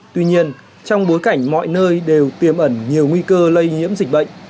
tuy nhiên trong bối cảnh mọi nơi đều tiềm ẩn nhiều nguy cơ lây nhiễm dịch bệnh